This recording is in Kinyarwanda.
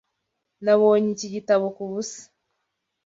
Nabonye iki gitabo kubusa.